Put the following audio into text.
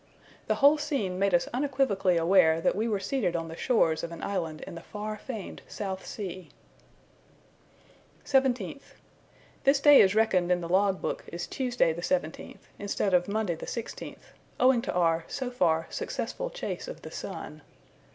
The whole scene made us unequivocally aware that we were seated on the shores of an island in the far famed South Sea. 17th. This day is reckoned in the log book as Tuesday the 17th, instead of Monday the 16th, owing to our, so far, successful chase of the sun.